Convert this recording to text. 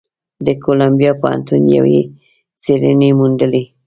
د کولمبیا پوهنتون یوې څېړنې موندلې،